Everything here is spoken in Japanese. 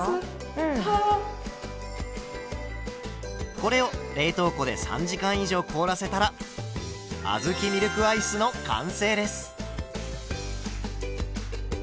これを冷凍庫で３時間以上凍らせたらあずきミルクアイスの完成です。